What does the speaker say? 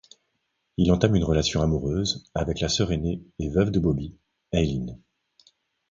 Il entame une relation amoureuse avec la sœur aîné et veuve de Bobby, Eileen.